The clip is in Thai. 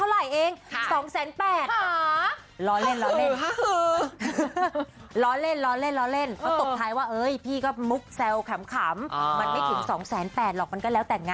และตบท้ายว่าเอ๊ะพี่ก็มึกแซวขำมันไม่ถึง๒๘๐๐๐๐หรอกก็แล้วแต่งหน้า